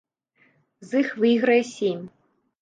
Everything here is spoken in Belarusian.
З іх выйграе сем.